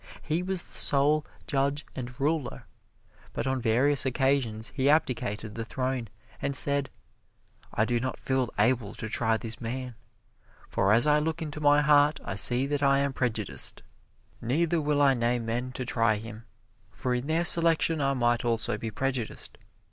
He was the sole judge and ruler, but on various occasions he abdicated the throne and said: "I do not feel able to try this man, for as I look into my heart I see that I am prejudiced. Neither will I name men to try him, for in their selection I might also be prejudiced.